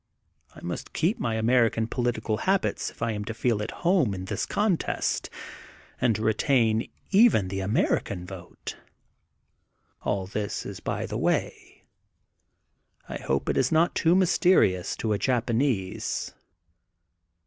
I must keep my American political habits if I am to feel at home in this contest and to retain even the American vote. All this is by the way. I hope it is not too mysterious to a Japanese.